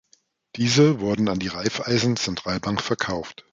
Diese wurden an die Raiffeisen Zentralbank verkauft.